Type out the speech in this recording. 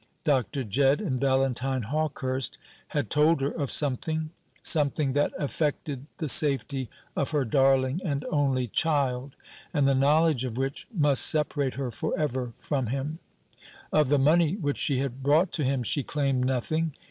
Dr. Jedd and Valentine Hawkehurst had told her of something something that affected the safety of her darling and only child and the knowledge of which must separate her for ever from him. Of the money which she had brought to him she claimed nothing.